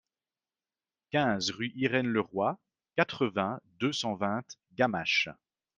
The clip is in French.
quinze rue Irène Leroy, quatre-vingts, deux cent vingt, Gamaches